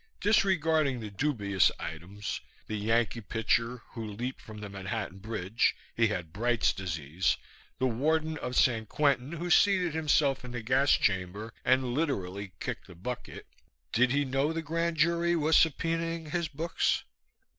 Disregarding the dubious items the Yankee pitcher who leaped from the Manhattan bridge (he had Bright's disease), the warden of San Quentin who seated himself in the gas chamber and, literally, kicked the bucket (did he know the Grand Jury was subpoenaing his books?)